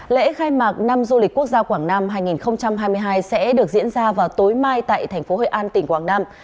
lễ khai mạc năm du lịch quốc gia quảng nam hai nghìn hai mươi hai sẽ được diễn ra vào tối mai tại thành phố hội an tỉnh quảng nam